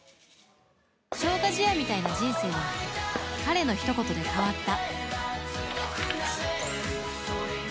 消化試合みたいな人生が彼のひと言で変わった。